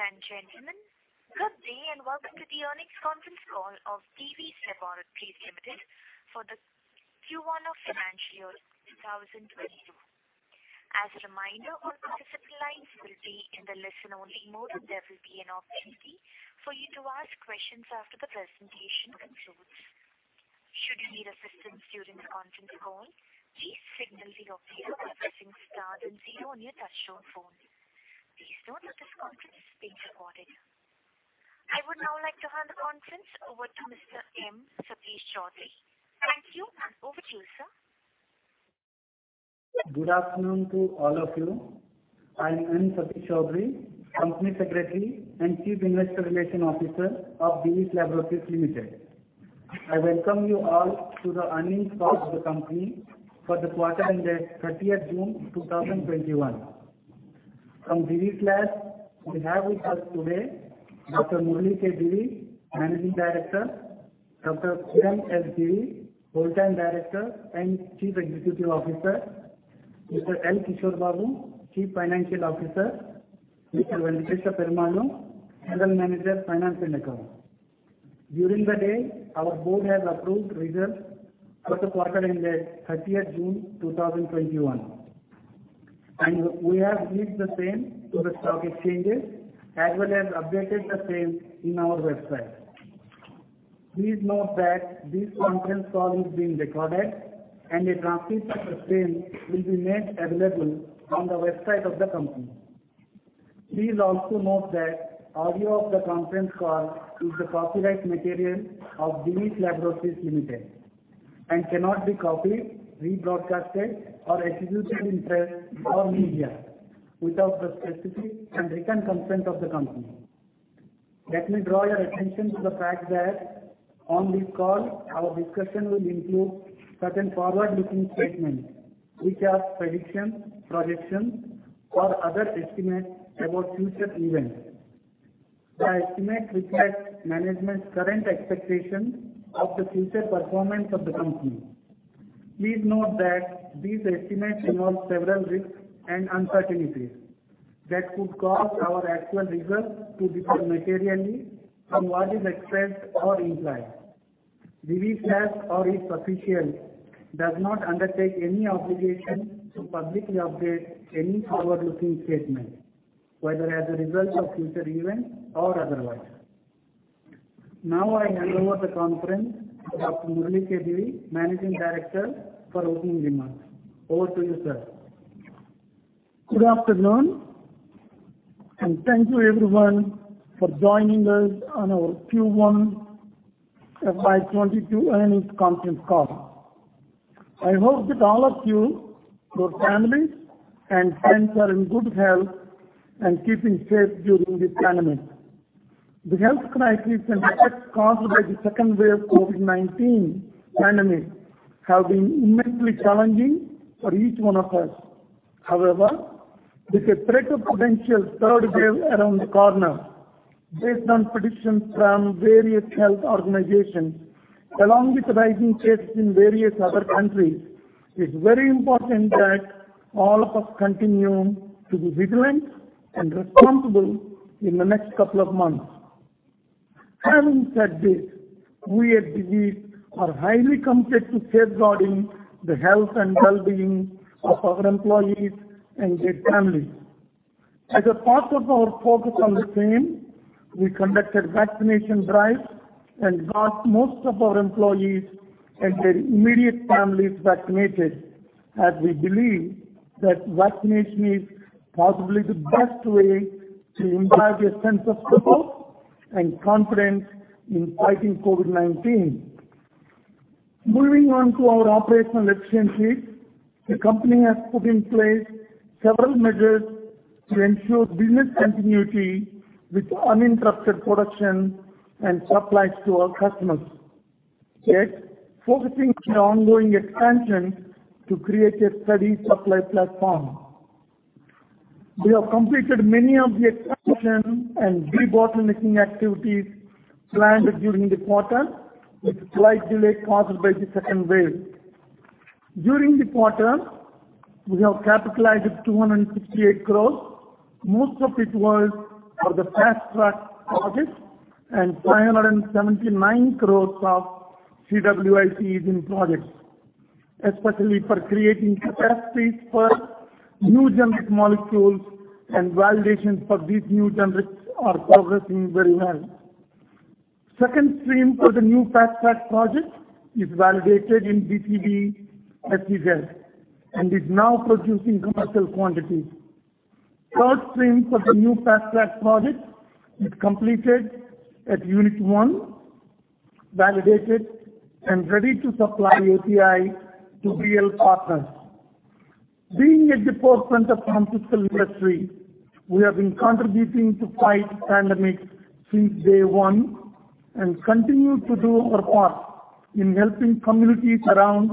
Ladies and gentlemen, good day, and welcome to the earnings conference call of Divi's Laboratories Limited for the Q1 FY 2022. As a reminder, all participant lines will be in the listen only mode and there will be an option for you to ask questions after the presentation concludes. Should you need assistance during the conference call, please signal to the operator by pressing star then zero on your touchtone phone. Please note that this conference is being recorded. I would now like to hand the conference over to Mr. Meka Satish Choudhury. Thank you. Over to you, sir. Good afternoon to all of you. I'm M. Satish Choudhury, Company Secretary and Chief Investor Relations Officer of Divi's Laboratories Limited. I welcome you all to the earnings call of the company for the quarter ended June 30th, 2021. From Divi's Lab, we have with us today Murali K. Divi, Managing Director, Kiran Divi, Whole-time Director and Chief Executive Officer, L. Kishore Babu, Chief Financial Officer, Venkatesa Perumallu Pasumarthy, Senior Manager, Finance and Accounts. During the day, our board has approved results for the quarter ended June 30th, 2021, and we have released the same to the stock exchanges, as well as updated the same in our website. Please note that this conference call is being recorded and a transcript of the same will be made available on the website of the company. Please also note that audio of the conference call is the copyright material of Divi's Laboratories Limited and cannot be copied, rebroadcasted or executed in press or media without the specific and written consent of the company. Let me draw your attention to the fact that on this call, our discussion will include certain forward-looking statements, which are predictions, projections, or other estimates about future events. The estimate reflects management's current expectations of the future performance of the company. Please note that these estimates involve several risks and uncertainties that could cause our actual results to differ materially from what is expressed or implied. Divi's Lab or its official does not undertake any obligation to publicly update any forward-looking statement, whether as a result of future events or otherwise. Now I hand over the conference to Dr. Murali K. Divi, Managing Director, for opening remarks. Over to you, sir. Good afternoon, thank you everyone for joining us on our Q1 FY 2022 earnings conference call. I hope that all of you, your families, and friends are in good health and keeping safe during this pandemic. The health crisis and effects caused by the second wave of COVID-19 pandemic have been immensely challenging for each one of us. With a threat of potential third wave around the corner based on predictions from various health organizations, along with rising cases in various other countries, it's very important that all of us continue to be vigilant and responsible in the next couple of months. Having said this, we at Divi are highly committed to safeguarding the health and well-being of our employees and their families. As a part of our focus on the same, we conducted vaccination drives and got most of our employees and their immediate families vaccinated as we believe that vaccination is possibly the best way to imbibe a sense of purpose and confidence in fighting COVID-19. Moving on to our operational exchanges, the company has put in place several measures to ensure business continuity with uninterrupted production and supplies to our customers. Focusing on the ongoing expansion to create a steady supply platform. We have completed many of the expansion and debottlenecking activities planned during the quarter with a slight delay caused by the second wave. During the quarter, we have capitalized 268 crore. Most of it was for the Fast Track projects and 579 crore of CWIP in projects, especially for creating capacities for new generic molecules and validations for these new generics are progressing very well. Second stream for the new Fast Track project is validated in BTB FCZ and is now producing commercial quantities. Third stream for the new Fast Track project is completed at Unit 1, validated and ready to supply API to BL partners. Being at the forefront of pharmaceutical industry, we have been contributing to fight pandemic since day one and continue to do our part in helping communities around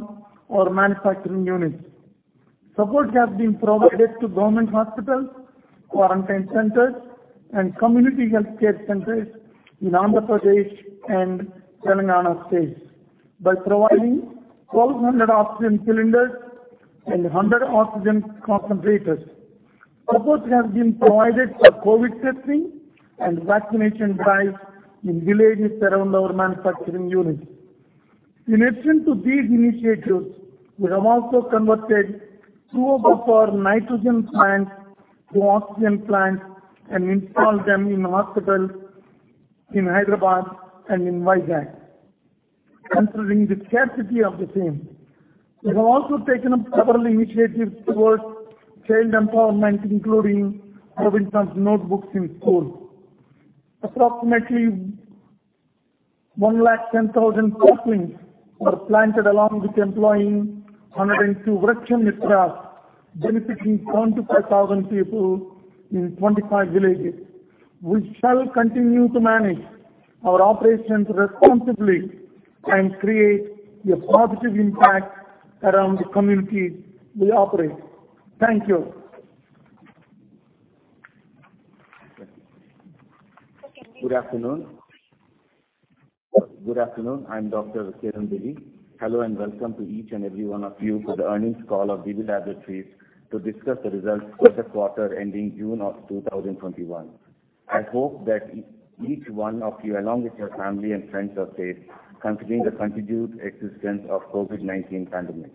our manufacturing units. Support has been provided to government hospitals, quarantine centers, and community healthcare centers in Andhra Pradesh and Telangana states by providing 1,200 oxygen cylinders and 100 oxygen concentrators. Support has been provided for COVID testing and vaccination drives in villages around our manufacturing units. In addition to these initiatives, we have also converted two of our nitrogen plants to oxygen plants and installed them in hospitals in Hyderabad and in Vizag, considering the scarcity of the same. We have also taken up several initiatives towards child empowerment, including providing notebooks in schools. Approximately 110,000 saplings were planted along with employing 102 Vrikshamitras, benefiting 25,000 people in 25 villages. We shall continue to manage our operations responsibly and create a positive impact around the communities we operate. Thank you. Good afternoon. I'm Kiran Divi. Hello, welcome to each and every one of you for the earnings call of Divi's Laboratories to discuss the results for the quarter ending June 2021. I hope that each one of you, along with your family and friends, are safe considering the continued existence of COVID-19 pandemic.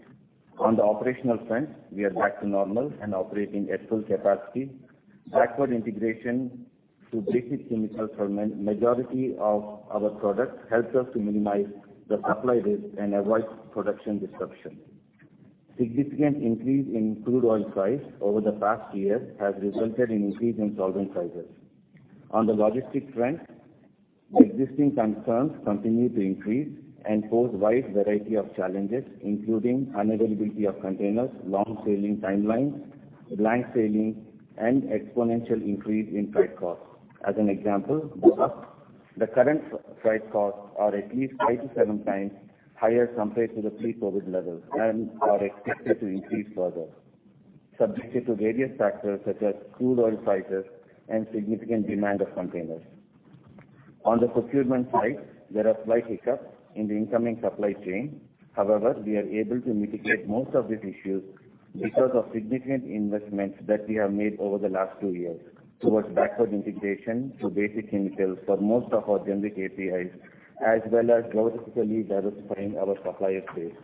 On the operational front, we are back to normal and operating at full capacity. Backward integration to basic chemicals for majority of our products helps us to minimize the supply risk and avoid production disruption. Significant increase in crude oil price over the past year has resulted in increase in solvent prices. On the logistics front, existing concerns continue to increase and pose wide variety of challenges, including unavailability of containers, long sailing timelines, blank sailing, and exponential increase in freight cost. As an example, the current freight costs are at least 5x-7x higher compared to the pre-COVID levels and are expected to increase further, subjected to various factors such as crude oil prices and significant demand of containers. On the procurement side, there are slight hiccups in the incoming supply chain. However, we are able to mitigate most of these issues because of significant investments that we have made over the last two years towards backward integration to basic chemicals for most of our generic APIs, as well as logistically diversifying our supplier base.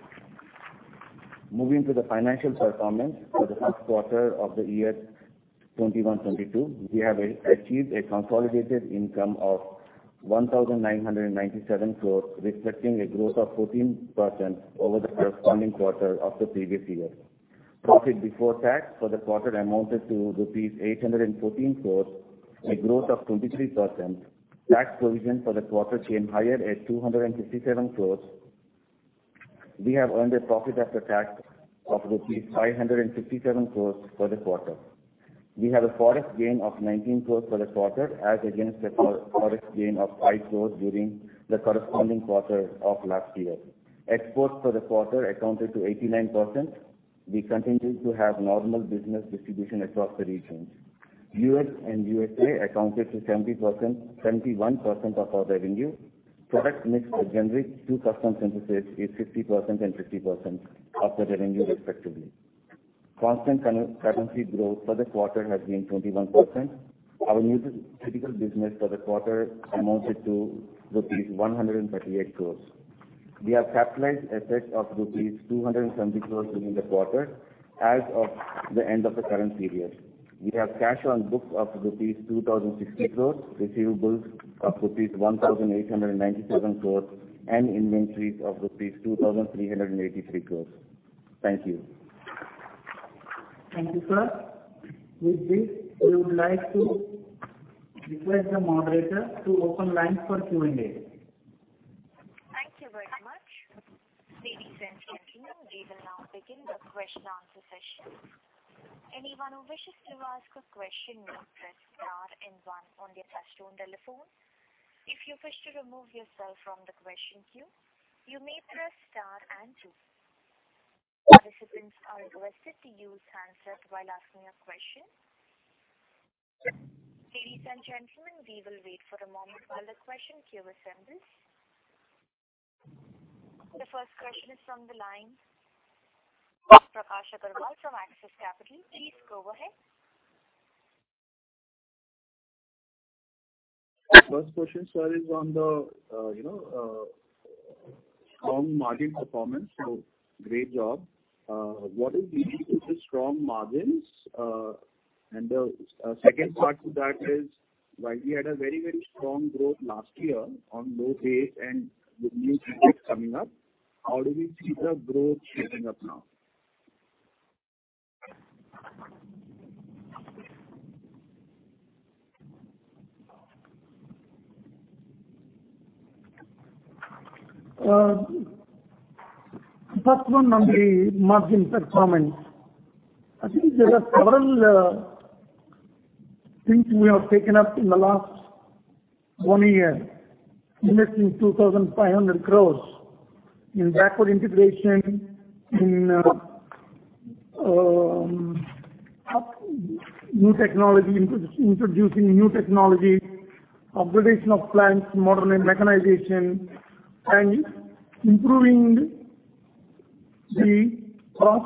Moving to the financial performance for the first quarter of FY 2021-FY 2022, we have achieved a consolidated income of 1,997 crores, reflecting a growth of 14% over the corresponding quarter of the previous year. Profit before tax for the quarter amounted to rupees 814 crores, a growth of 23%. Tax provision for the quarter came higher at 257 crores. We have earned a profit after tax of rupees 557 crores for the quarter. We have a forex gain of 19 crores for the quarter, as against the forex gain of 5 crores during the corresponding quarter of last year. Exports for the quarter accounted to 89%. We continue to have normal business distribution across the regions. U.S. and U.K. accounted to 71% of our revenue. Product mix for generic to custom synthesis is 50% and 50% of the revenue respectively. Constant currency growth for the quarter has been 21%. Our nutraceutical business for the quarter amounted to rupees 138 crores. We have capitalized assets of rupees 270 crores during the quarter as of the end of the current period. We have cash on books of 2,060 crores, receivables of 1,897 crores, and inventories of 2,383 crores. Thank you. Thank you, sir. With this, we would like to request the moderator to open lines for Q&A. Thank you very much. Ladies and gentlemen, we will now begin the question answer session. Anyone who wishes to ask a question may press star and one on their touch-tone telephone. If you wish to remove yourself from the question queue, you may press star and two. Participants are requested to use handset while asking a question. Ladies and gentlemen, we will wait for a moment while the question queue assembles. The first question is from the line of Prakash Agarwal from Axis Capital. Please go ahead. First question, sir, is on the strong margin performance. Great job. What is leading to the strong margins? The second part to that is, while we had a very strong growth last year on low base and with new products coming up, how do we see the growth shaping up now? First one on the margin performance. I think there are several things we have taken up in the last one year, investing 2,500 crores in backward integration, introducing new technologies, upgradation of plants, modern mechanization, and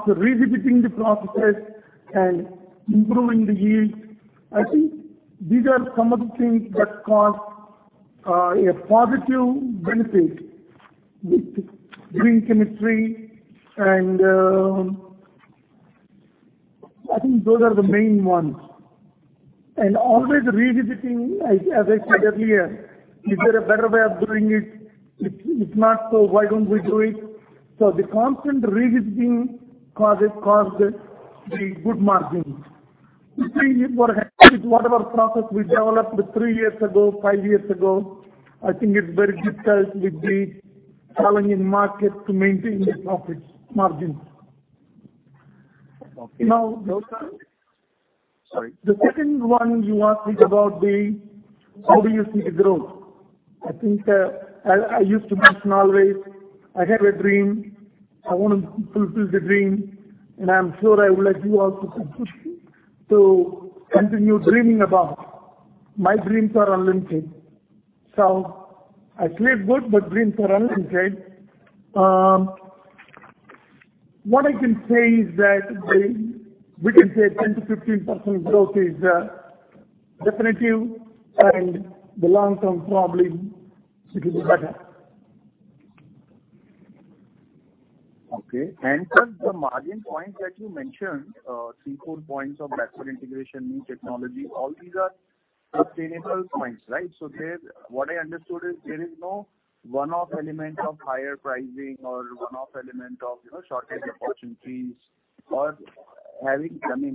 revisiting the processes and improving the yield. I think these are some of the things that cause a positive benefit with green chemistry, and I think those are the main ones. Always revisiting, as I said earlier, is there a better way of doing it? If not, why don't we do it? The constant revisiting causes the good margins. If we were happy with whatever process we developed three years ago, five years ago, I think it's very difficult with the challenging market to maintain the profit margins. Okay. Now- Sorry. The second one you asked me about the how do you see the growth? I used to mention always, I have a dream. I want to fulfill the dream, and I'm sure I would like you also to continue dreaming about. My dreams are unlimited. I sleep good, but dreams are unlimited. What I can say is that, we can say 10%-15% growth is definitive, and the long-term, probably it will be better. Okay. Sir, the margin points that you mentioned, three, four points of backward integration, new technology, all these are sustainable points, right? What I understood is there is no one-off element of higher pricing or one-off element of shortage of raw materials or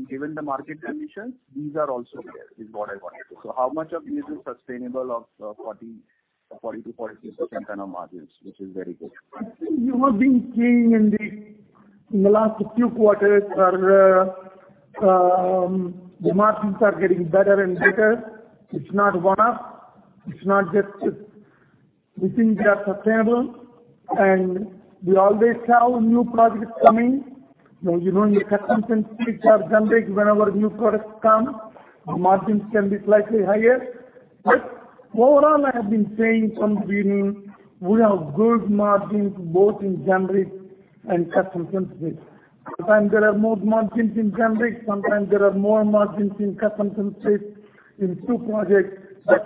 Given the market conditions, these are also here, is what I wanted to say. How much of this is sustainable of 40%-42% kind of margins, which is very good. I think you have been seeing in the last few quarters, the margins are getting better and better. It's not one-off. We think they are sustainable, and we always have new projects coming. You know when the custom synthesis are done whenever new products come, our margins can be slightly higher. Overall, I have been saying from beginning, we have good margins both in generic and custom synthesis. Sometimes there are more margins in generic, sometimes there are more margins in custom synthesis in two projects, but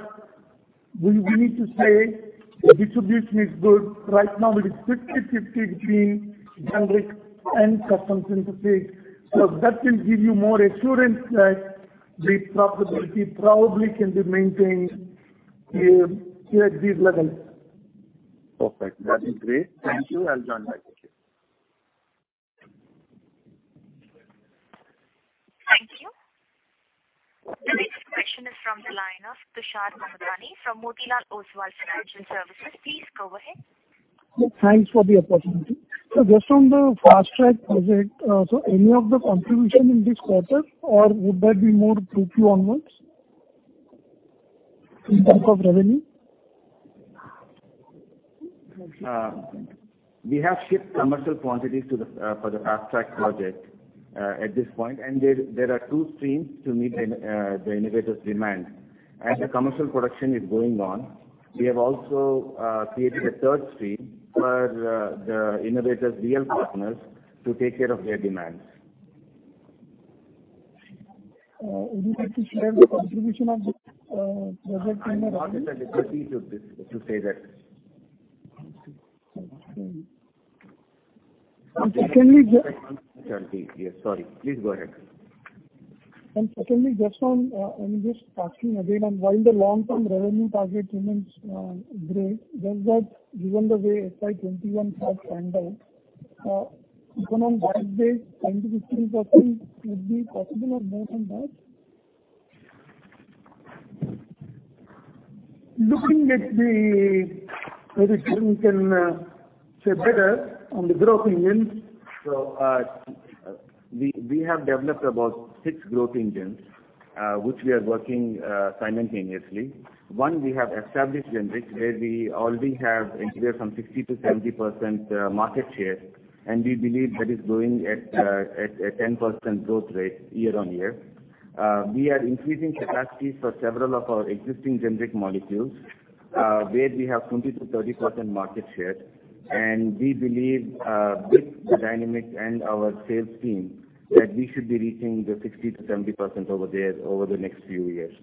we need to say the distribution is good. Right now, it is 50/50 between generic and custom synthesis. That will give you more assurance that the profitability probably can be maintained here at these levels. Perfect. That is great. Thank you. I'll join back with you. Thank you. The next question is from the line of Tushar Manudhane from Motilal Oswal Financial Services. Please go ahead. Thanks for the opportunity. Sir, just on the Fast Track project, any of the contribution in this quarter or would that be more through Q2 onwards in terms of revenue? We have shipped commercial quantities for the Fast Track project, at this point, and there are two streams to meet the innovators' demand. As the commercial production is going on, we have also created a third stream for the innovators' real partners to take care of their demands. Would you like to share the contribution of the project in? I'm not at the liberty to say that. Okay. Sorry. Please go ahead. Secondly, I'm just asking again on while the long-term revenue target remains great, does that given the way FY 2021 has panned out, even on that base, 10%-15% would be possible or more than that? Looking at the, maybe Kiran can say better on the growth engines. We have developed about 6 growth engines, which we are working simultaneously. One, we have established generic where we already have anywhere from 60%-70% market share, and we believe that is growing at a 10% growth rate year-on-year. We are increasing capacities for several of our existing generic molecules, where we have 20%-30% market share, and we believe with the dynamics and our sales team, that we should be reaching the 60%-70% over there over the next few years.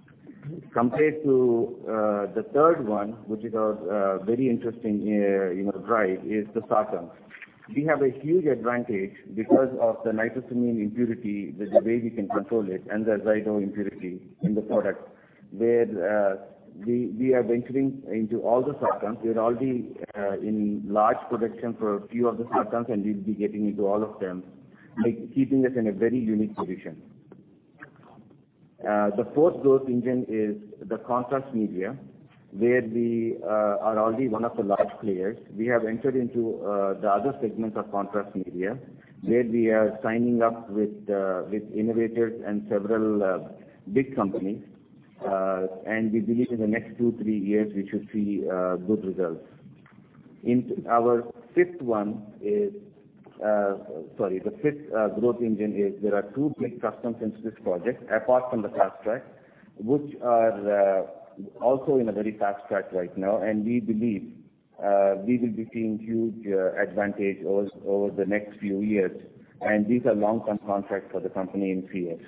Compared to the third one, which is our very interesting drive, is the sartans. We have a huge advantage because of the nitrosamine impurity, the way we can control it, and the azido impurity in the product, where we are venturing into all the sartans. We're already in large production for a few of the sartans, and we'll be getting into all of them, keeping us in a very unique position. The fourth growth engine is the contrast media, where we are already one of the large players. We have entered into the other segments of contrast media, where we are signing up with innovators and several big companies. We believe in the next two, three years, we should see good results. Our fifth growth engine is there are two big custom synthesis projects apart from the Fast Track, which are also in a very Fast Track right now, and we believe we will be seeing huge advantage over the next few years. These are long-term contracts for the company in CS.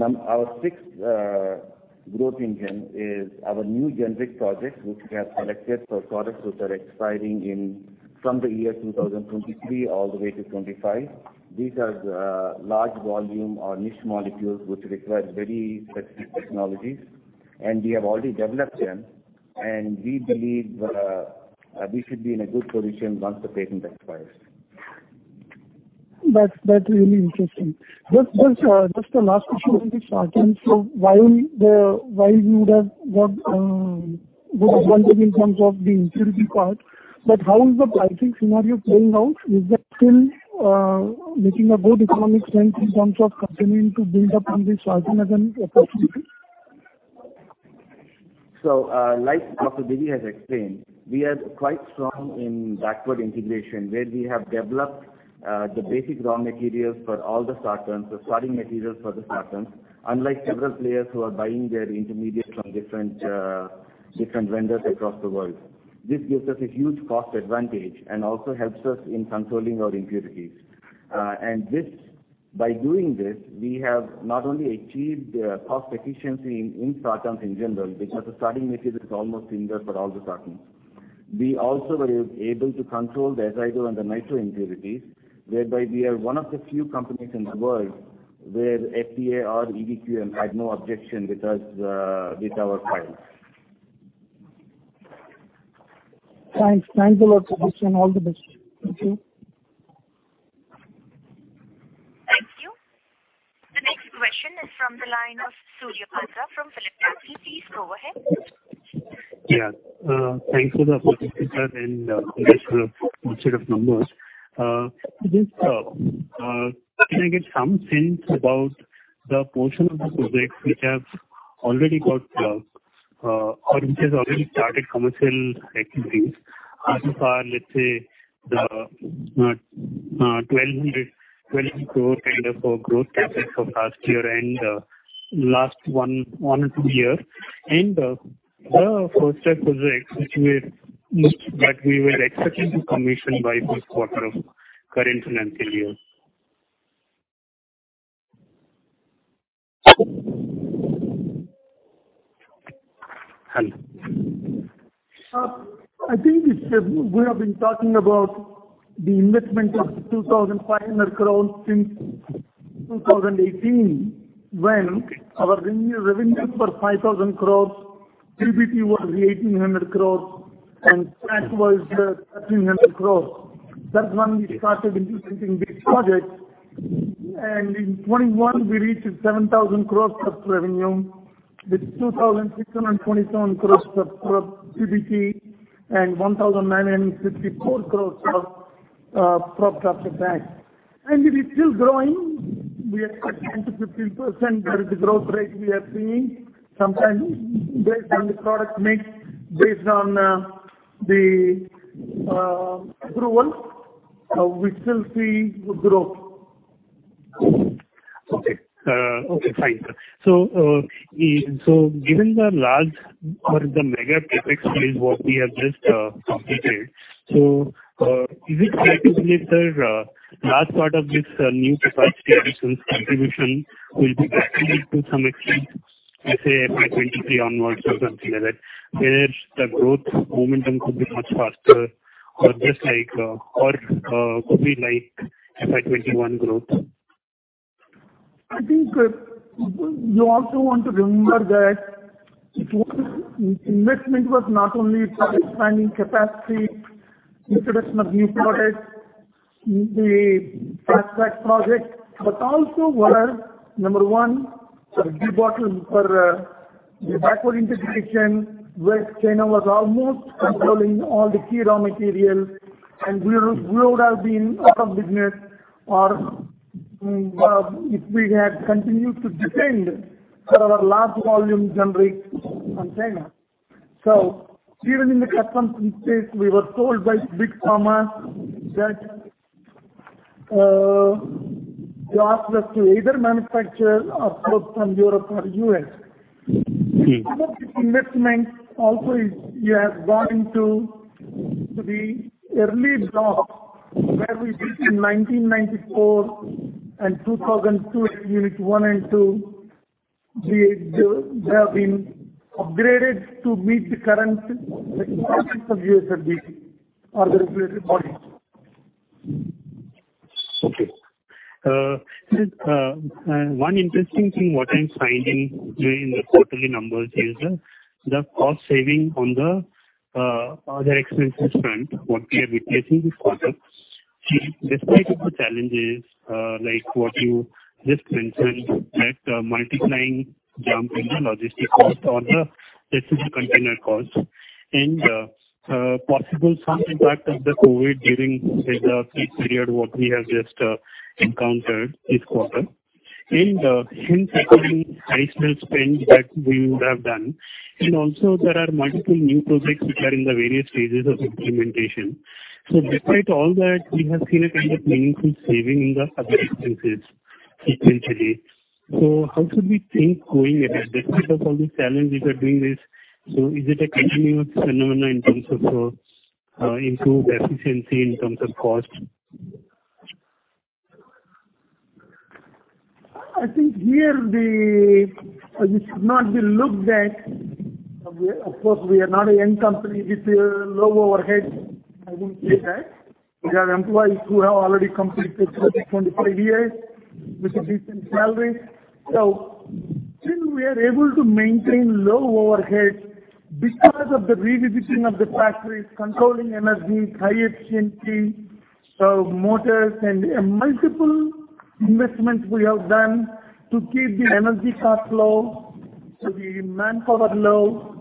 Our sixth growth engine is our new generic projects, which we have selected for products which are expiring from the year 2023 all the way to 2025. These are large volume or niche molecules, which require very specific technologies, and we have already developed them, and we believe we should be in a good position once the patent expires. That's really interesting. Just the last question on the sartans. While you would have good advantage in terms of the impurity part, but how is the pricing scenario playing out? Is that still making a good economic sense in terms of company to build upon this sartan as an opportunity? Like Dr. Divi has explained, we are quite strong in backward integration, where we have developed the basic raw materials for all the sartans, the starting materials for the sartans, unlike several players who are buying their intermediates from different vendors across the world. This gives us a huge cost advantage and also helps us in controlling our impurities. By doing this, we have not only achieved cost efficiency in sartans in general, because the starting material is almost similar for all the sartans. We also were able to control the azido and the nitro impurities, whereby we are one of the few companies in the world where FDA or EDQM had no objection with our files. Thanks a lot, Kiran, and all the best. Thank you. Thank you. The next question is from the line of Surya Patra from PhillipCapital. Please go ahead. Yeah. Thanks for the opportunity, sir. Thanks for the good set of numbers. Can I get some sense about the portion of the projects which have already got plugged, or which has already started commercial activities as far, let's say, the 1,200 crore kind of a growth CapEx for last year and last one or two years, and the first set of projects that we were expecting to commission by first quarter of current financial year? I think we have been talking about the investment of 2,500 crores since 2018, when our revenue was 5,000 crores, PBT was 1,800 crores, and tax was 1,300 crores. That's when we started implementing these projects. In 2021, we reached 7,000 crores plus revenue with 2,627 crores plus PBT and 1,964 crores of profit after tax. It is still growing. We are at 10%-15%. That is the growth rate we are seeing. Sometimes based on the product mix, based on the approval, we still see growth. Okay, fine. Given the large or the mega CapEx spend what we have just completed, is it safe to say, sir, large part of this new capacity addition contribution will be attributed to some extent, let's say FY 2023 onwards or something like that, where the growth momentum could be much faster or could be like FY 2021 growth? I think you also want to remember that investment was not only for expanding capacity, introduction of new products, the Fast Track project, but also was, number one, de-bottleneck for the backward integration, where China was almost controlling all the key raw materials, and we would have been out of business if we had continued to depend for our large volume generics on China. Even in the current case, we were told by Big Pharma that you ask us to either manufacture our products from Europe or U.S. Another investment also is you have gone into the early block where we did in 1994 and 2002, Unit 1 and Unit 2. They have been upgraded to meet the current requirements of USFDA or the regulatory bodies. Okay. Sir, one interesting thing what I'm finding during the quarterly numbers is the cost saving on the other expenses front, what we are witnessing this quarter, despite of the challenges like what you just mentioned, that the multiplying jump in the logistic cost or the shipping container cost and possible some impact of the COVID during this peak period what we have just encountered this quarter. Hence, according to additional spend that we would have done. Also, there are multiple new projects which are in the various stages of implementation. Despite all that, we have seen a kind of meaningful saving in the other expenses sequentially. How should we think going ahead, despite of all these challenges you are doing this, is it a continuous phenomenon in terms of improved efficiency, in terms of cost? I think here it should not be looked at, of course, we are not a young company with low overheads. I wouldn't say that. We have employees who have already completed 25 years with a decent salary. Still we are able to maintain low overheads because of the revisiting of the factories, controlling energy, high efficiency motors, and multiple investments we have done to keep the energy cost low, so the manpower low.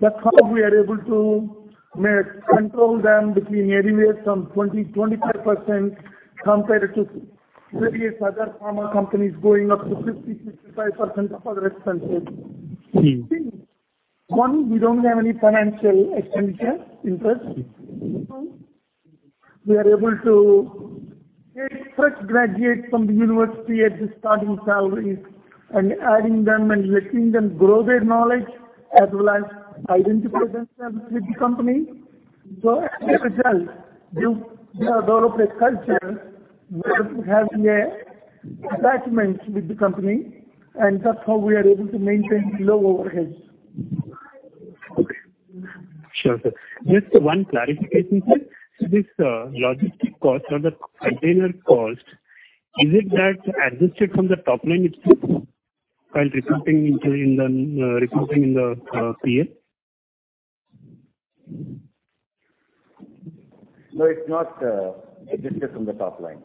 That's how we are able to control them between anywhere from 20%-25% compared to various other pharma companies going up to 50%-65% of other expenses. One, we don't have any financial expenditure interest. Two, we are able to take fresh graduates from the university at the starting salaries and adding them and letting them grow their knowledge as well as identify themselves with the company. As a result, we have developed a culture where people have an attachment with the company, and that's how we are able to maintain low overheads. Okay. Sure, sir. Just one clarification, sir. This logistic cost or the container cost, is it that adjusted from the top line itself while reporting in the CA? No, it's not adjusted from the top line.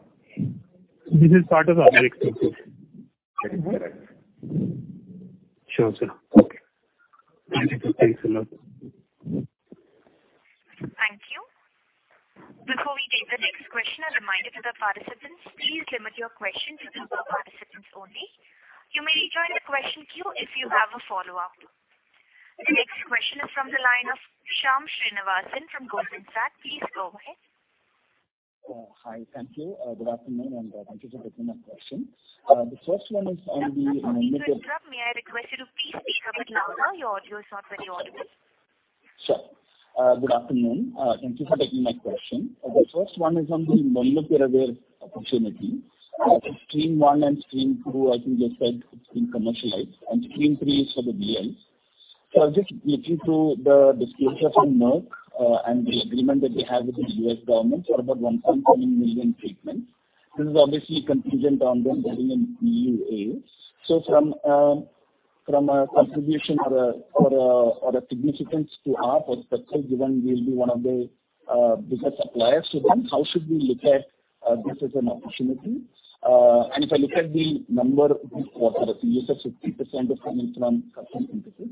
This is part of our expenses. That is correct. Sure, sir. Okay. Thank you, sir. Thanks a lot. Thank you. Before we take the next question, a reminder to the participants, please limit your questions to business participants only. You may rejoin the question queue if you have a follow-up. The next question is from the line of Shyam Srinivasan from Goldman Sachs. Please go ahead. Hi. Thank you. Good afternoon, and thank you for taking my question. The first one is on the. Sir, sorry to interrupt. May I request you to please speak a bit louder? Your audio is not very audible. Sure. Good afternoon. Thank you for taking my question. The first one is on the molnupiravir opportunity. Stream 1 and Stream 2, I think you said it's been commercialized, and Stream 3 is for the DL. I'll just read you through the disclosure from Merck, and the agreement that they have with the U.S. government for about 1.7 million treatments. This is obviously contingent on them getting an EUA. From a contribution or a significance to us or sector, given we'll be one of the bigger suppliers to them, how should we look at this as an opportunity? If I look at the number this quarter, I think you said 50% is coming from Custom Synthesis.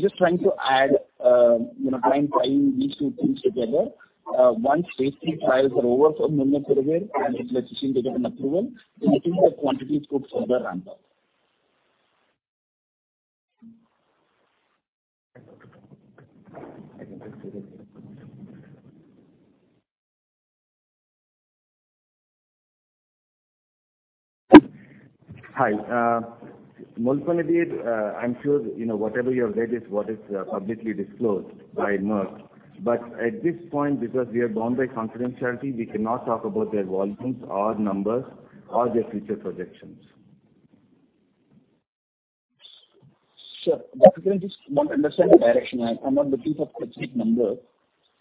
Just trying to add, tying these two things together. Once phase III trials are over for molnupiravir and if they get an approval, do you think the quantities could further ramp up? Hi. Molnupiravir, I'm sure whatever you have read is what is publicly disclosed by Merck. At this point, because we are bound by confidentiality, we cannot talk about their volumes or numbers or their future projections. Sir, I just want to understand the direction. I'm not looking for specific numbers.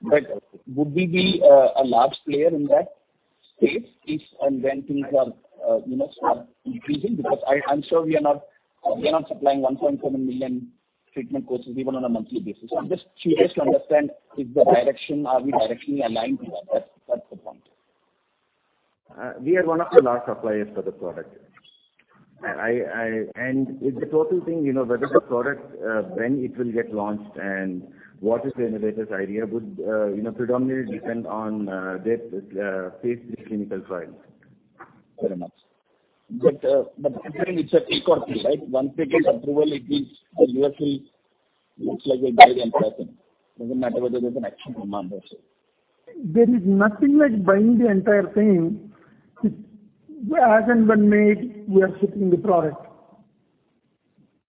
Would we be a large player in that space if and when things are increasing? I'm sure we are not supplying 1.7 million treatment courses even on a monthly basis. I'm just curious to understand if the direction, are we directly aligned to that? That's the point. We are one of the large suppliers for the product. It's a total thing, whether the product, when it will get launched and what is the innovator's idea would predominantly depend on their phase III clinical trials. Very much. It's a take or pay, right? Once they get approval, it means the U.S. will look like they're buying the entire thing. Doesn't matter whether there's an actual demand or not. There is nothing like buying the entire thing. It hasn't been made, we are shipping the product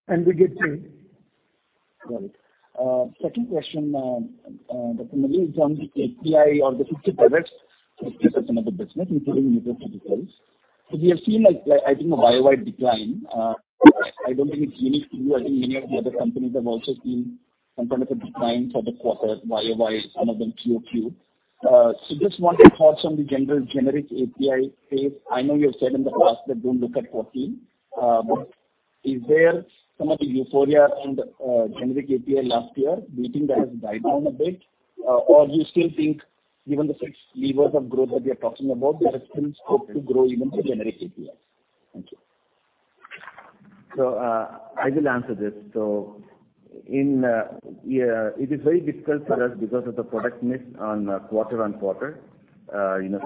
and we get paid. Got it. Second question, Dr. Murali, in terms of API or the 50 products, that's another business including newer chemicals. We have seen, I think, a year-on-year decline. I don't think it's unique to you. I think many of the other companies have also seen some kind of a decline for the quarter year-on-year, some of them QOQ. Just want your thoughts on the general generic API space. I know you have said in the past that don't look at fourteen. Is there some of the euphoria around generic API last year, do you think that has died down a bit? You still think given the six levers of growth that we are talking about, there is still scope to grow even for generic APIs? Thank you. I will answer this. It is very difficult for us because of the product mix on quarter-on-quarter.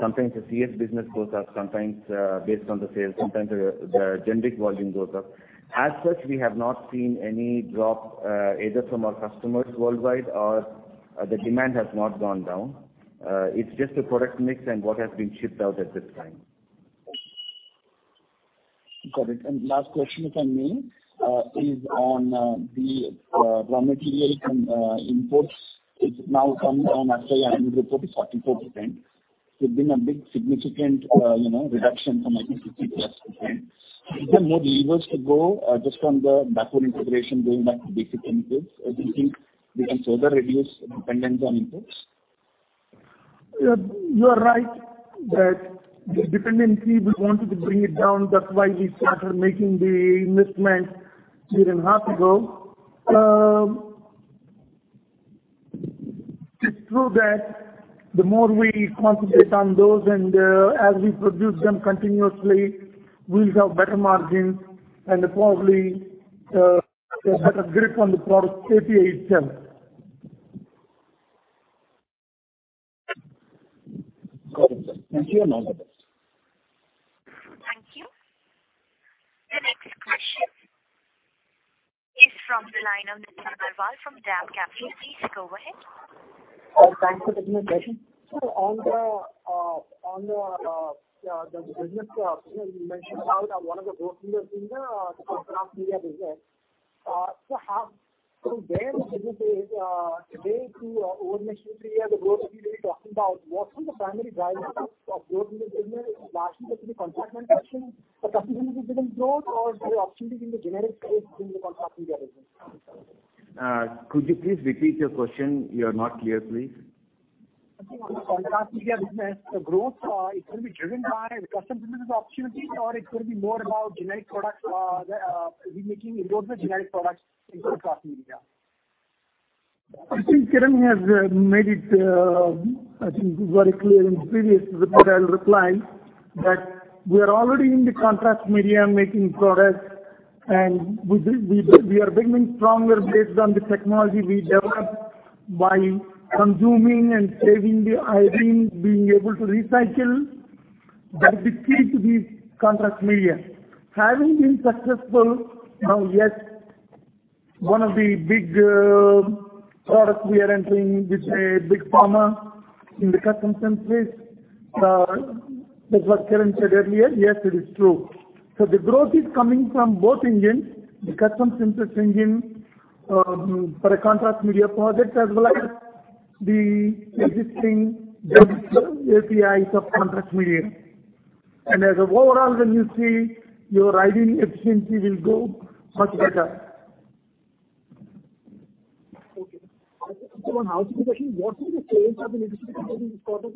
Sometimes the CS business goes up, sometimes based on the sales, sometimes the generic volume goes up. As such, we have not seen any drop either from our customers worldwide or the demand has not gone down. It's just a product mix and what has been shipped out at this time. Got it. Last question from me is on the raw material imports. It's now come down as per your annual report to 44%. It's been a big significant reduction from, I think, 60%+. Is there more levers to go just on the backward integration, going back to basic inputs? Do you think we can further reduce dependence on imports? You are right that the dependency, we wanted to bring it down. That is why we started making the investment 1.5 years ago. It is true that the more we concentrate on those and as we produce them continuously, we will have better margins and probably a better grip on the product API itself. Got it, sir. Thank you, and all the best. Thank you. The next question is from the line of Nitin Agarwal from DAM Capital. Please go ahead. Thanks for the presentation. On the business you mentioned about one of the growth leaders in the contrast media business. Where the business is today to over next three years, the growth you'll be talking about, what's the primary driver of growth in the business? Is it largely because of the contract manufacturing, the custom synthesis business growth, or the opportunities in the generic space within the contrast media business? Could you please repeat your question? You are not clear, please. On the contrast media business, the growth, it's going to be driven by custom synthesis opportunity, or it's going to be more about making growth with generic products into contrast media? I think Kiran has made it very clear in previous replies that we are already in the contrast media making products, and we are becoming stronger based on the technology we developed by consuming and saving the iodine, being able to recycle. That is the key to this contrast media. Having been successful, now, yes, one of the big products we are entering with a Big Pharma in the custom synthesis. That's what Kiran said earlier. Yes, it is true. The growth is coming from both engines, the custom synthesis engine for a contrast media project as well as the existing API sub-contrast media. As an overall, when you see, your iodine efficiency will go much better. Okay. Just one housekeeping. What is the sales of the nutraceuticals business this quarter?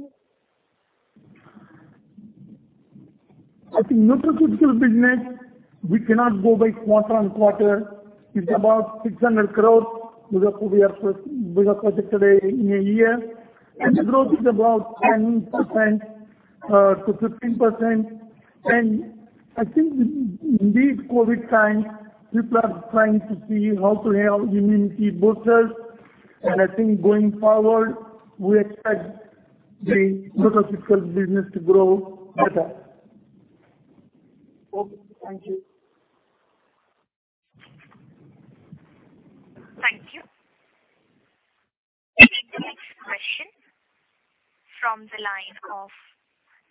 I think nutraceutical business, we cannot go by quarter on quarter. It's about 600 crores is what we have projected in a year, the growth is about 10%-15%. I think in these COVID times, people are trying to see how to have immunity boosters, and I think going forward, we expect the nutraceutical business to grow better. Okay, thank you. Thank you. We'll take the next question from the line of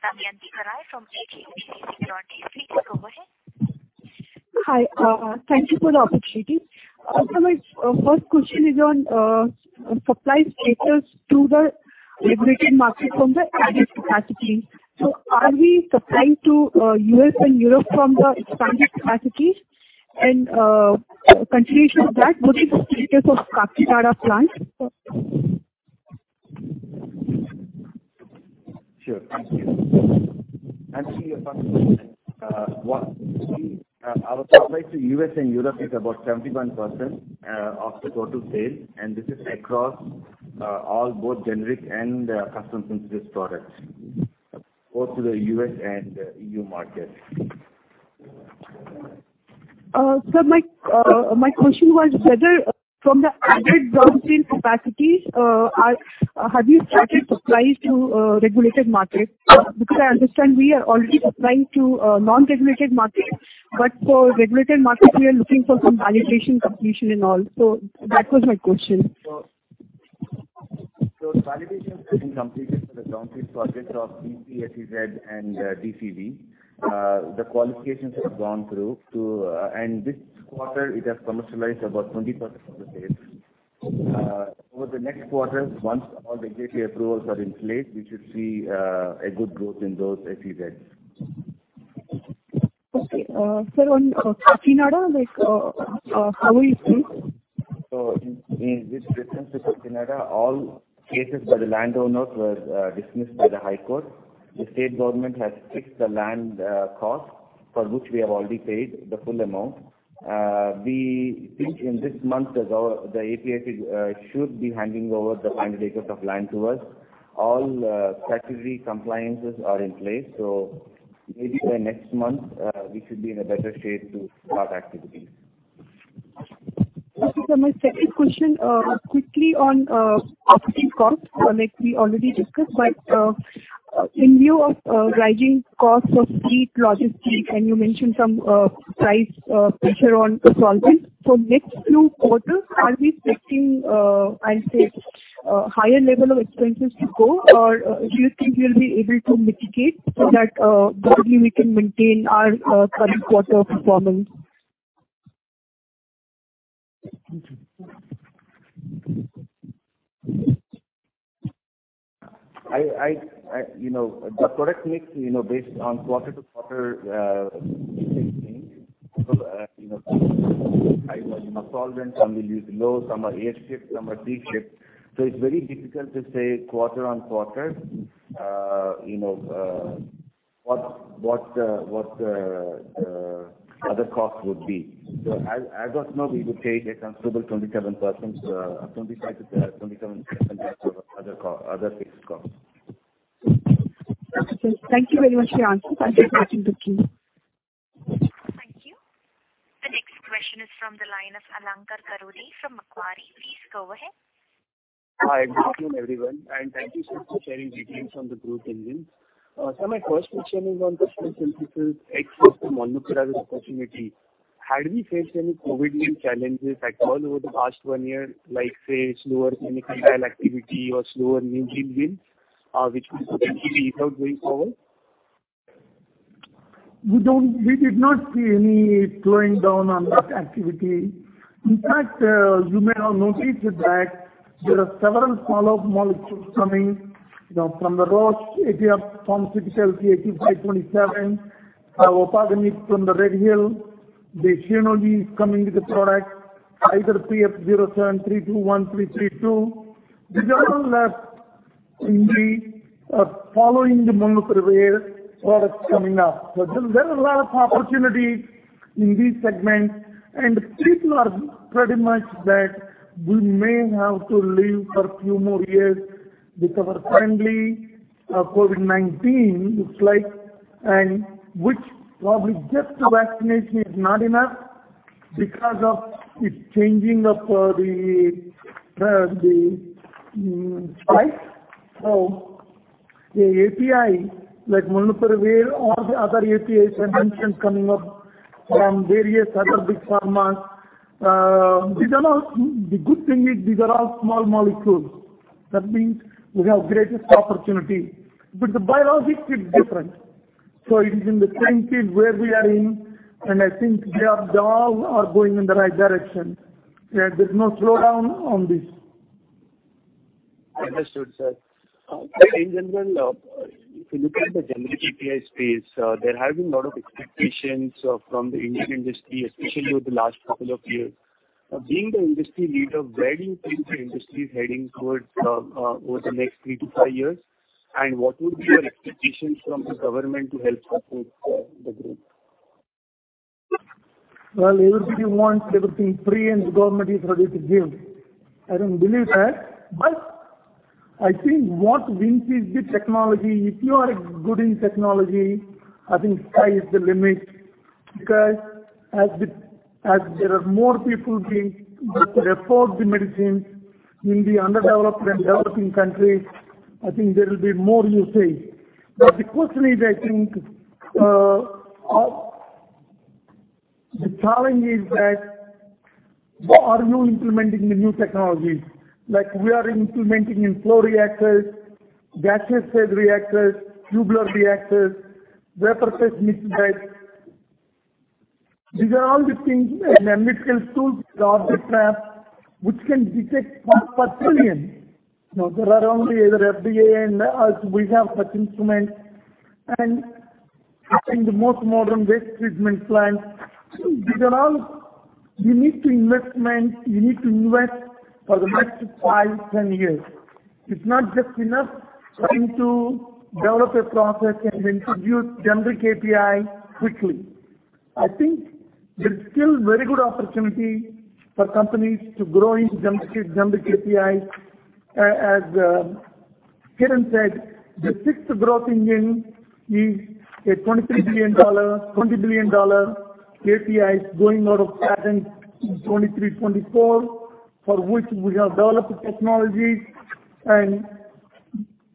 Damayanti Kerai from HSBC. Please go ahead. Hi. Thank you for the opportunity. Sir, my first question is on supply status to the regulated market from the added capacity. Are we supplying to U.S. and Europe from the expanded capacity? Continuation of that, what is the status of Kakinada plant? Sure. Thank you. Actually, our supply to the U.S. and Europe is about 71% of the total sale. This is across all both generic and custom synthesis products, both to the U.S. and EU market. Sir, my question was whether from the added downstream capacities, have you started supplies to regulated markets? Because I understand we are already supplying to non-regulated markets, but for regulated markets, we are looking for some validation completion and all. That was my question. Validation has been completed for the downstream projects of BP, FCZ and DCV. The qualifications have gone through, and this quarter it has commercialized about 20% of the sales. Over the next quarter, once all the GTA approvals are in place, we should see a good growth in those FCZ. Okay. Sir, on Kakinada, how is things? In with reference to Kakinada, all cases by the landowners were dismissed by the High Court. The state government has fixed the land cost, for which we have already paid the full amount. We think in this month, the APSEZ should be handing over the 100 acres of land to us. All statutory compliances are in place. Maybe by next month, we should be in a better shape to start activities. Okay, sir. My second question, quickly on operating costs, like we already discussed, in lieu of rising costs of freight, logistics, and you mentioned some price pressure on solvents. For next few quarters, are we expecting, I'll say, a higher level of expenses to go, do you think we'll be able to mitigate so that hopefully we can maintain our current quarter performance? The product mix based on quarter-to-quarter either solvents, some will be low, some are A shift, some are C shift. It's very difficult to say quarter-on-quarter what the other costs would be. As of now, we would say a comfortable 27% to 25%-27% other fixed costs. Okay, sir. Thank you very much for your answers. I'm done talking to you. Thank you. The next question is from the line of Alankar Garude from Macquarie. Please go ahead. Hi, good morning, everyone, and thank you, sir, for sharing details on the group earnings. Sir, my first question is on the small molecules exposure molnupiravir opportunity. Had we faced any COVID-19 challenges at all over the past one year, like, say, slower clinical trial activity or slower new gene deals, which we could see without going forward? We did not see any slowing down on that activity. You may have noticed that there are several small molecules coming from the Roche, Atea's AT-527, opaganib from RedHill. Shionogi is coming with the product, either PF-07321332. These are all in the following the molnupiravir products coming up. There are a lot of opportunities in this segment, and people are pretty much that we may have to live for a few more years with our friendly COVID-19, it looks like, and which probably just the vaccination is not enough because of it changing up the spike. The API, like molnupiravir, all the other API submissions coming up from various other Big Pharmas. Good thing is these are all small molecules. Means we have greatest opportunity. The biologic is different. It is in the same field where we are in, and I think they all are going in the right direction. There is no slowdown on this. Understood, sir. In general, if you look at the generic API space, there have been a lot of expectations from the Indian industry, especially over the last couple of years. Being the industry leader, where do you think the industry is heading towards over the next three to five years? What would be your expectations from the government to help support the group? Well, everybody wants everything free and the government is ready to give. I don't believe that. I think what wins is the technology. If you are good in technology, I think sky is the limit, because as there are more people being able to afford the medicine in the underdeveloped and developing countries, I think there will be more usage. The question is, I think, the challenge is that, are you implementing the new technologies? Like we are implementing in flow reactors, gaseous fed reactors, tubular reactors, vapor phase mixed bed. These are all the things and analytical tools, the Orbitrap, which can detect per trillion. Now, there are only either FDA and U.S., we have such instruments, and I think the most modern waste treatment plant. These are all you need to investment, you need to invest for the next five, 10 years. It's not just enough trying to develop a process and introduce generic API quickly. I think there's still very good opportunity for companies to grow in generic APIs. As Kiran said, the sixth growth engine is a $20 billion APIs going out of patent in 2023, 2024, for which we have developed the technology and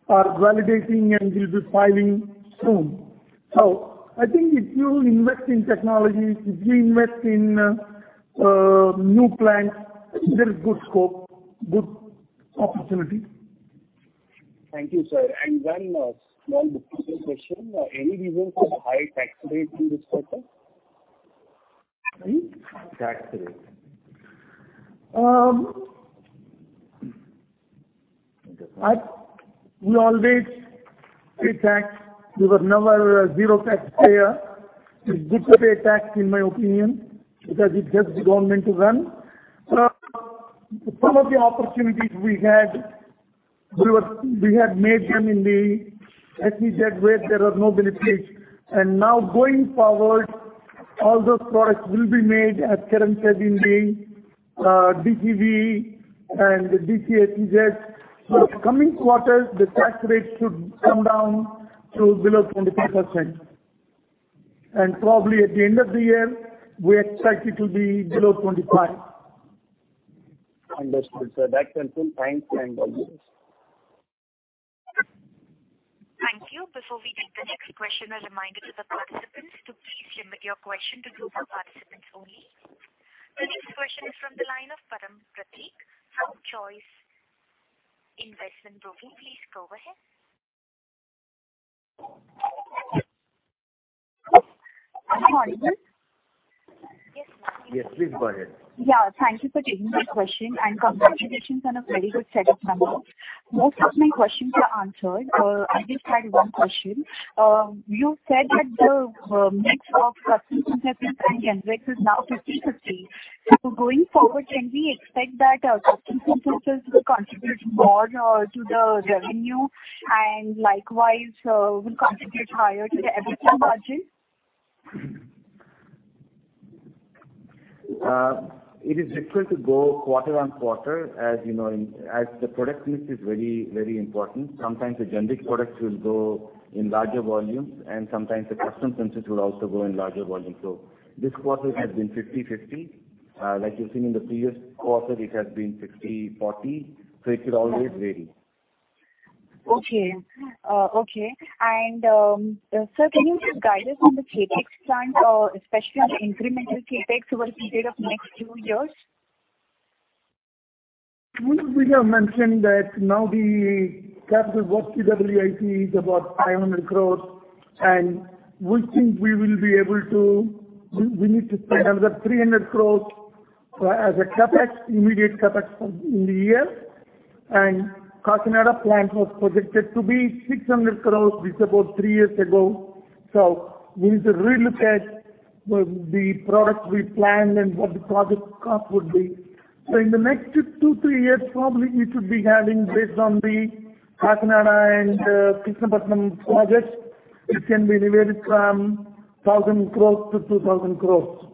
are validating and will be filing soon. I think if you invest in technology, if you invest in new plants, there is good scope, good opportunity. Thank you, sir. One small additional question. Any reason for the high tax rate in this quarter? Sorry? Tax rate. We always pay tax. We were never a zero tax payer. It's good to pay tax, in my opinion, because it helps the government to run. Some of the opportunities we had, we had made them in the SEZ where there was no benefit. Now going forward, all those products will be made as Kiran said in the DCV and the DS-SEZ. In the coming quarters, the tax rate should come down to below 23%. Probably at the end of the year, we expect it to be below 25%. Understood, sir. That's helpful. Thanks and God bless. Thank you. Before we take the next question, a reminder to the participants to please limit your question to two per participant only. The next question is from the line of Param Pratik from Choice Investment Broking. Please go ahead. Am I audible? Yes. Yes, please go ahead. Thank you for taking my question and congratulations on a very good set of numbers. Most of my questions were answered. I just had one question. You said that the mix of Custom Synthesis and generics is now 50/50. Going forward, can we expect that our Custom Synthesis will contribute more to the revenue and likewise, will contribute higher to the EBITDA margin? It is difficult to go quarter-on-quarter, as the product mix is very important. Sometimes the generic products will go in larger volumes, and sometimes the custom synthesis will also go in larger volumes. This quarter has been 50/50. Like you've seen in the previous quarter, it has been 60/40. It will always vary. Okay. Sir, can you give guidance on the CapEx plan, especially on the incremental CapEx over a period of next few years? We have mentioned that now the capital work CWIP is about 500 crores. We think we need to spend another 300 crores as an immediate CapEx in the year. Kakinada plant was projected to be 600 crores. This is about three years ago. We need to re-look at the product we planned and what the project cost would be. In the next two, three years, probably we should be having, based on the Kakinada and Krishnapatnam projects, it can be anywhere from 1,000 crores-2,000 crores.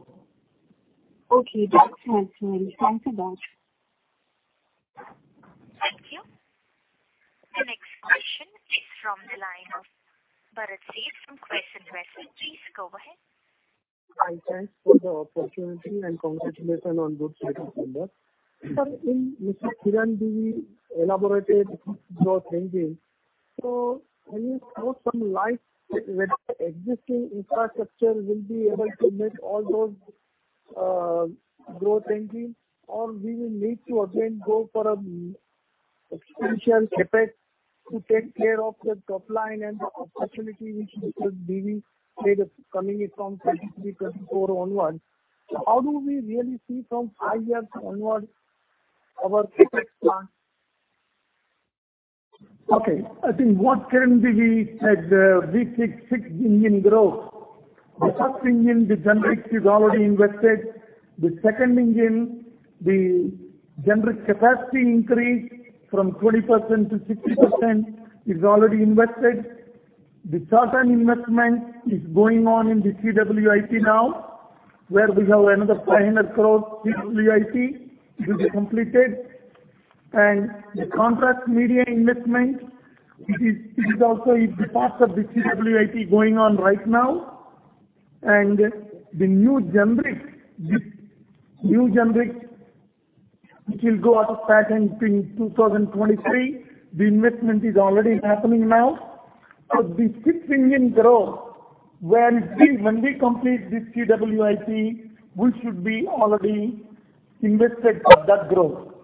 Okay. That's helpful. Thank you, sir. Thank you. The next question is from the line of Bharat Sheth from Quest Investment. Please go ahead. Hi. Thanks for the opportunity and congratulations on good set of numbers. Sir, Mr. Kiran Divi elaborated growth engines. Can you throw some light whether existing infrastructure will be able to meet all those growth engines? Or we will need to again go for an expansion CapEx to take care of the top line and the opportunity which Mr. Divi said is coming in from 2023, 2024 onwards. How do we really see from five years onwards our CapEx plan? Okay. I think what Kiran Divi said, we take six engine growth. The first engine, the generics, is already invested. The second engine, the generic capacity increase from 20%-60%, is already invested. The third engine investment is going on in the CWIP now, where we have another 500 crores CWIP to be completed. The contrast media investment, it is also the part of the CWIP going on right now. The new generic, which will go out of patent in 2023, the investment is already happening now. The six-engine growth, when we complete this CWIP, we should be already invested for that growth.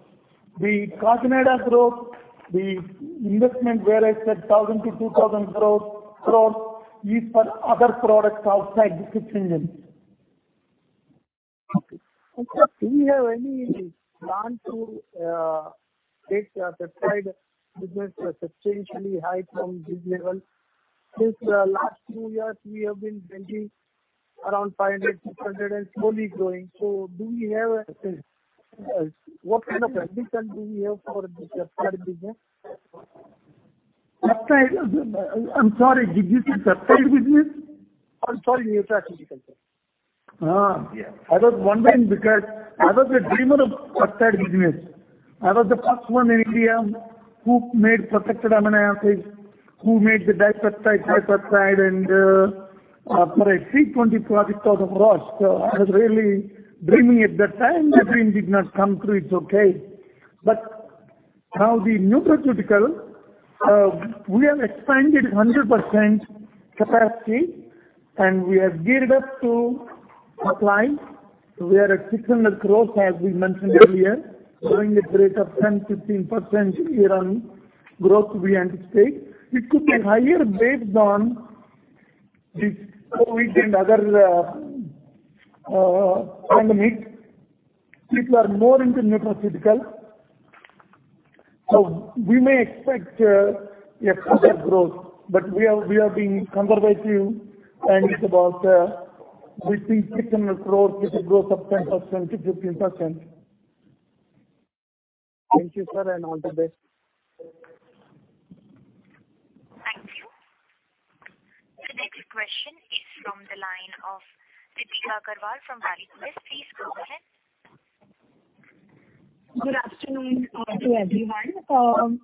The Kakinada growth, the investment, where I said 1,000-2,000 crores is for other products outside the six engines. Okay. Sir, do we have any plan to take the peptide business substantially high from this level? Since last few years, we have been maintaining around 500, 600 and slowly growing. What kind of prediction do we have for the peptide business? I'm sorry, did you say peptide business? I'm sorry. Nutraceutical. I was wondering because I was a dreamer of peptide business. I was the first one in India who made protected amino acids, who made the dipeptide, tripeptide, and after I see 20 products out of rush. I was really dreaming at that time. The dream did not come true. It's okay. Now the nutraceutical, we have expanded 100% capacity, and we have geared up to apply. We are at 600 crores, as we mentioned earlier, growing at the rate of 10%-15% year-on growth, we anticipate. It could be higher based on this COVID and other pandemics. People are more into nutraceutical. We may expect a further growth. We are being conservative, and it's about we think 600 crores with a growth of 10%-15%. Thank you, sir. All the best. Thank you. The next question is from the line of Ditya Aggarwal from RBL Invest. Please go ahead. Good afternoon to everyone.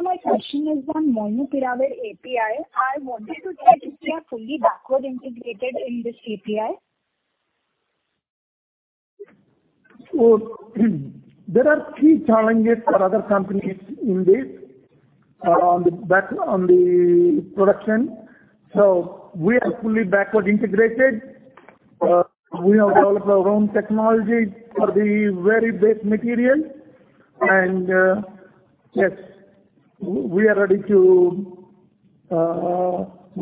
My question is on molecule API. I wanted to check if you are fully backward integrated in this API. There are key challenges for other companies in this on the production. We are fully backward integrated. We have developed our own technology for the very best material. Yes, we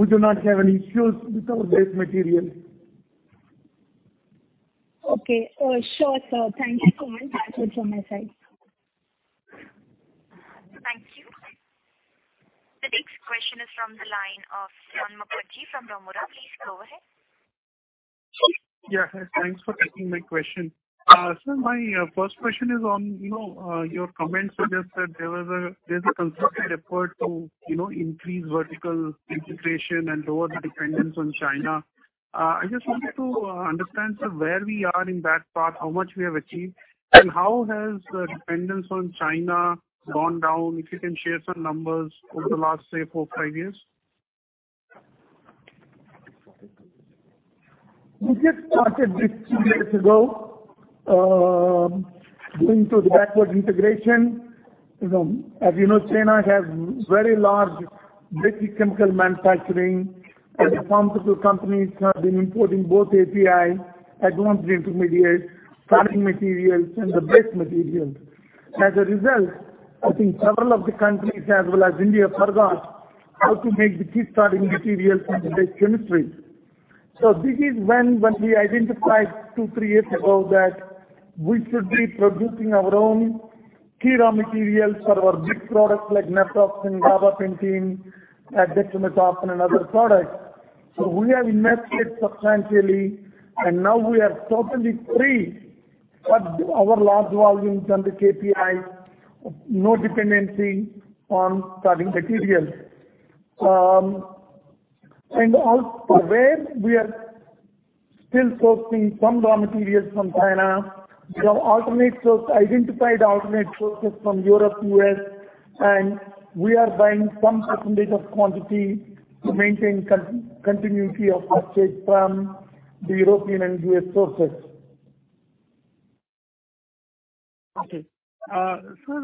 do not have any issues with our base material. Okay. Sure, sir. Thank you. That's it from my side. Thank you. The next question is from the line of Saion Mukherjee from Nomura. Please go ahead. Yeah. Thanks for taking my question. Sir, my first question is on your comments you just said there's a concerted effort to increase vertical integration and lower the dependence on China. I just wanted to understand, sir, where we are in that path, how much we have achieved, and how has the dependence on China gone down, if you can share some numbers over the last, say, four, five years. We just started this two years ago, going through the backward integration. As you know, China has very large basic chemical manufacturing, and pharmaceutical companies have been importing both API, advanced intermediates, starting materials, and the base materials. As a result, I think several of the countries as well as India forgot how to make the key starting materials and the base chemistry. This is when we identified two, three years ago that we should be producing our own key raw materials for our big products like naproxen, gabapentin, dexamethasone and other products. We have invested substantially, and now we are totally free for our large volumes and the API. No dependency on starting materials. Also, where we are still sourcing some raw materials from China, we have identified alternate sources from Europe, U.S., and we are buying some percentage of quantity to maintain continuity of purchase from the European and U.S. sources. Okay. Sir,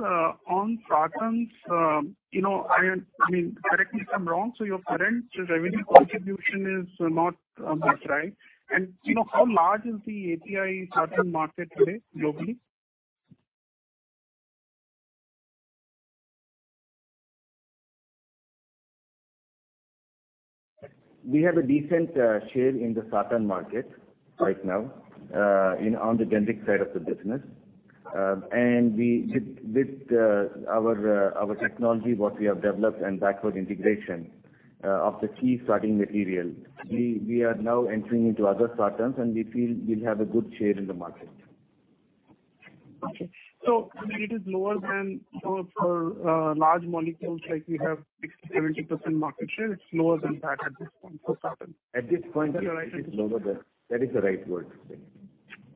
on Patens, correct me if I'm wrong, your current revenue contribution is not much, right? Yes. How large is the API sartan market today globally? We have a decent share in the satarn market right now on the generic side of the business. With our technology, what we have developed and backward integration of the key starting material, we are now entering into other satarns, and we feel we'll have a good share in the market. Okay. It is lower than for large molecules like we have 60%-70% market share. It's lower than that at this point for sartans. At this point, it is lower than. That is the right word to say.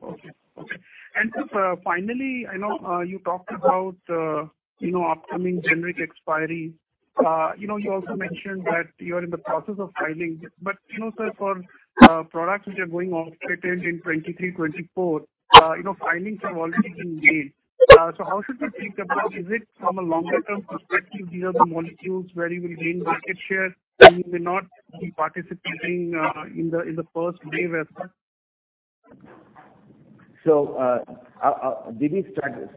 Okay. Sir, finally, I know you talked about upcoming generic expiry. You also mentioned that you are in the process of filing. Sir, for products which are going off patent in 2023, 2024, filings have already been made. How should we think about, is it from a longer-term perspective, these are the molecules where you will gain market share and you may not be participating in the first wave as such? Divi's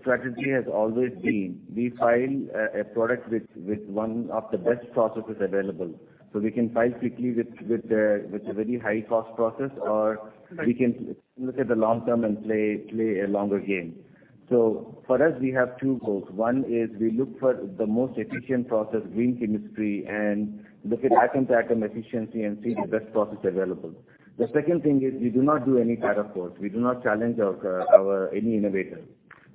strategy has always been, we file a product with one of the best processes available. We can file quickly with a very high-cost process, or we can look at the long term and play a longer game. For us, we have two goals. One is we look for the most efficient process, green chemistry, and look at atom-to-atom efficiency and see the best process available. The second thing is we do not do any kind of wars. We do not challenge any innovator.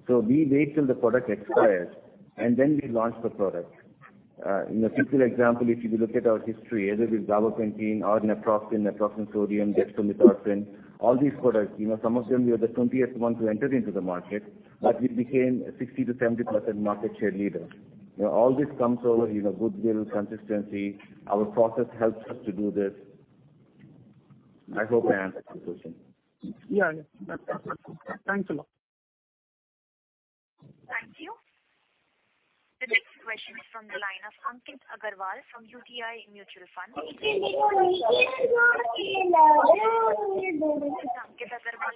We wait till the product expires, and then we launch the product. A simple example, if you look at our history, whether it is gabapentin or naproxen sodium, dexamethasone, all these products, some of them we are the 20th one to enter into the market, but we became 60%-70% market share leader. All this comes over goodwill, consistency. Our process helps us to do this. I hope I answered your question. Yeah. That's all. Thanks a lot. Thank you. The next question is from the line of Ankit Agarwal from UTI Mutual Fund. Ankit Agarwal,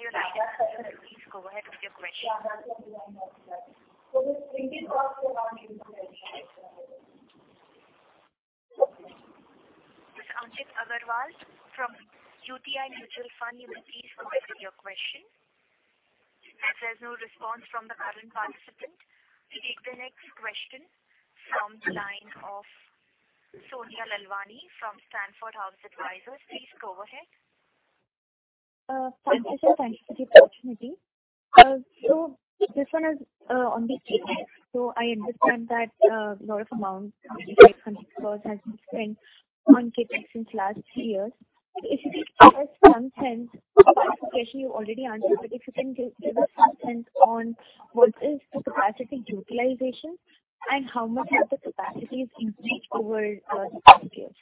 your line is open. Please go ahead with your question. Ankit Agarwal from UTI Mutual Fund, you may please go ahead with your question. As there's no response from the current participant, we take the next question from the line of Sonia Lalwani from Stratford House Advisors. Please go ahead. Thanks, sir. Thanks for the opportunity. This one is on the CapEx. I understand that a lot of amounts, probably INR 800 crores, have been spent on CapEx since last three years. If you could give us some sense, this question you already answered, but if you can give us some sense on what is the capacity utilization and how much has the capacity increased over the past years?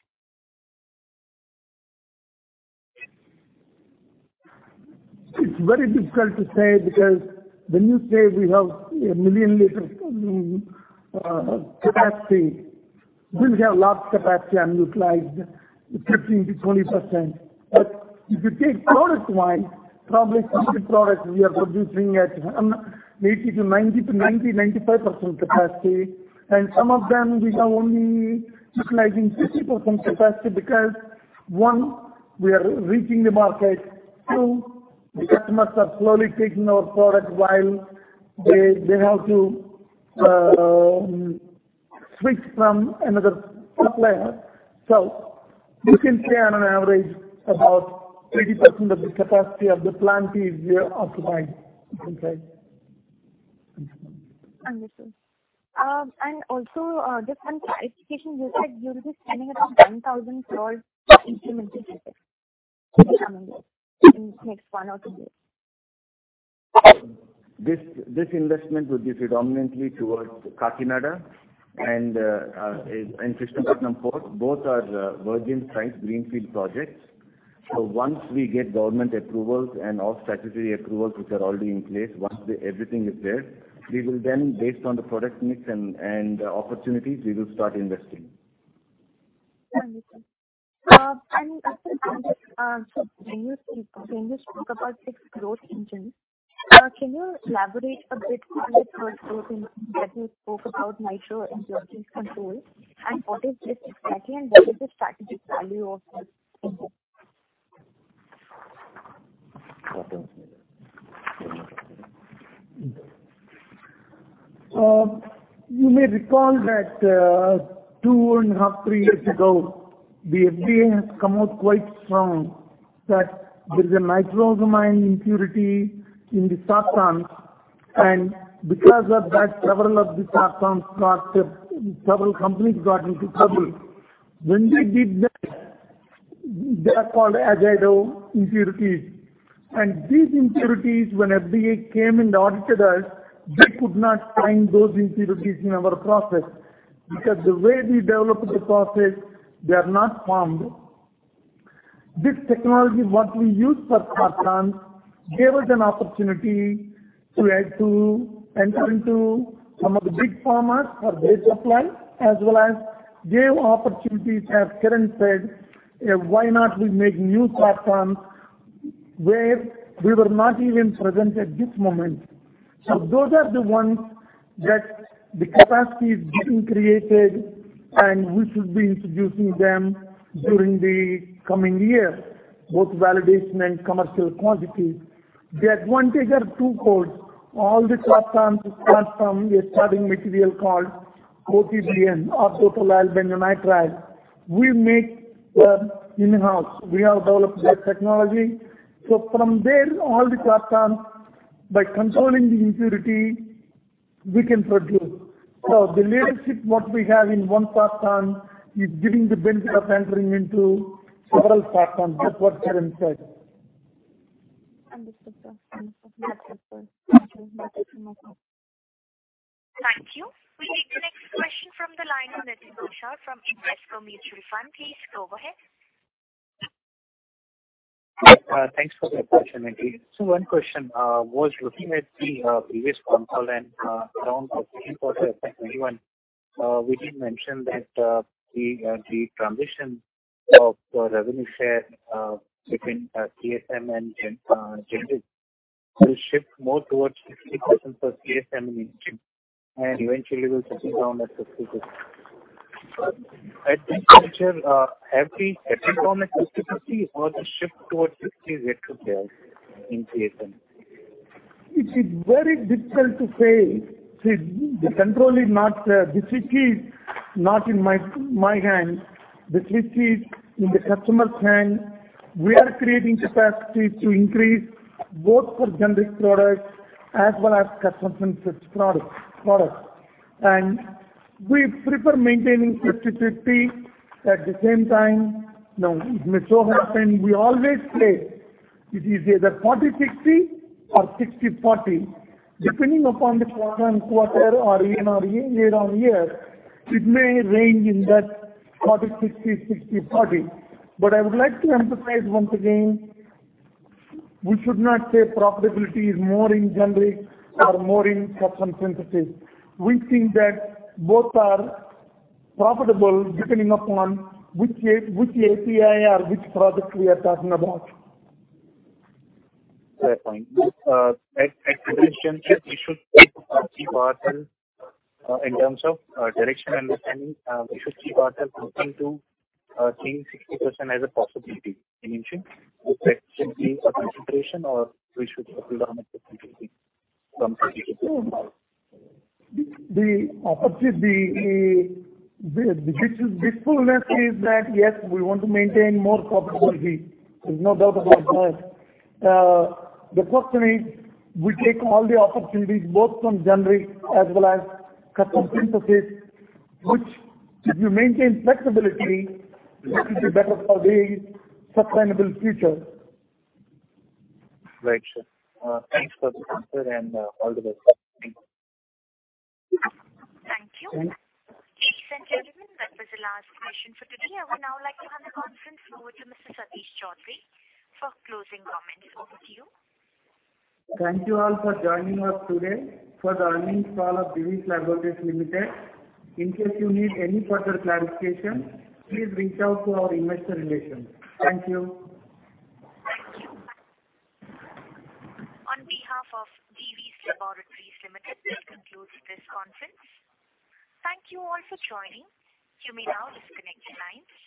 It's very difficult to say because when you say we have a million liters capacity, we have a lot of capacity unutilized, 15%-20%. If you take product-wise, probably some of the products we are producing at 80%-90%, 95% capacity, and some of them we are only utilizing 50% capacity because, one, we are reaching the market. Two, the customers are slowly taking our product while they have to switch from another supplier. We can say on an average, about 30% of the capacity of the plant is occupied. Understood. Also, just one clarification, you said you will be spending around INR 1,000 crores in CapEx this year in the next one or two years. This investment would be predominantly towards Kakinada and Krishnapatnam Port. Both are virgin sites, greenfield projects. Once we get government approvals and all statutory approvals, which are already in place, once everything is there, based on the product mix and opportunities, we will start investing. Understood. Also, when you speak about six growth engines, can you elaborate a bit on what growth engine that you spoke about nitrosamine and impurities control, what is this exactly, and what is the strategic value of this investment? You may recall that 2.5 years, three years ago, the FDA has come out quite strong that there is a nitrosamine impurity in the sartans, and because of that, several companies got into trouble. When they did that, they are called as azido impurities. These impurities, when FDA came and audited us, they could not find those impurities in our process, because the way we developed the process, they are not formed. This technology, what we use for substance, gave us an opportunity to enter into some of the big pharmas for their supply, as well as gave opportunities, as Kiran said, why not we make new platforms where we were not even present at this moment. Those are the ones that the capacity is getting created, and we should be introducing them during the coming year, both validation and commercial quantities. The advantage are twofolds. All the platforms start from a starting material called OTBN, o-tolylbenzonitrile. We make them in-house. We have developed that technology. From there, all the platforms, by controlling the impurity, we can produce. The leadership what we have in one platform is giving the benefit of entering into several platforms. That's what Kiran said. Understood, sir. Thank you so much. Thank you. We take the next question from the line of Nitin Gosar from Invesco Mutual Fund. Please go ahead. Thanks for the opportunity. One question. I was looking at the previous call and around the second quarter of 2021, we did mention that the transition of the revenue share between CS and generic will shift more towards 60% for CS and eventually will settle down at 50/50. At this juncture, have we settled on a 50/50 or the shift towards 60% is yet to come in CS? It is very difficult to say. The switch is not in my hands. The switch is in the customer's hand. We are creating capacity to increase both for generic products as well as custom synthesis products. We prefer maintaining 50/50. At the same time, it may so happen, we always say it is either 40/60 or 60/40, depending upon the quarter on quarter or even year on year, it may range in that 40/60/40. I would like to emphasize once again, we should not say profitability is more in generic or more in custom synthesis. We think that both are profitable depending upon which API or which product we are talking about. Fair point. At this juncture, we should keep ourselves in terms of direction understanding, we should keep ourselves open to seeing 60% as a possibility in the future? Should that simply be a consideration, or we should settle down at 50/50 from 50/50? The wishfulness is that, yes, we want to maintain more profitability. There is no doubt about that. The question is, we take all the opportunities, both from generic as well as custom synthesis, which if you maintain flexibility, it will be better for the sustainable future. Right, sir. Thanks for the answer and all the best. Thank you. Thank you. Ladies and gentlemen, that was the last question for today. I would now like to hand the conference over to Mr. Meka Satish Choudhury for closing comments. Over to you. Thank you all for joining us today for the earnings call of Divi's Laboratories Limited. In case you need any further clarification, please reach out to our investor relations. Thank you. Thank you. On behalf of Divi’s Laboratories Limited, this concludes this conference. Thank you all for joining. You may now disconnect your lines.